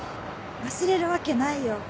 忘れるわけないよ。